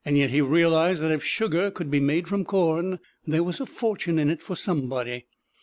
Yet he realized that if sugar could be made from corn, there was a fortune in it for somebody.